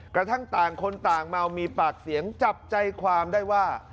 กระทั่งต่างคนต่างเมามีปากเสียงจับใจความได้ว่า